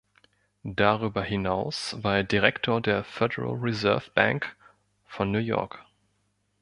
Darüber hinaus war er Direktor der Federal Reserve Bank von New York.